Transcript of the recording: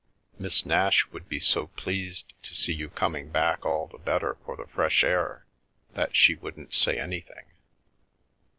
" Miss Nash would be so pleased to see you comb back all the better for the fresh air that she wouldi say anything.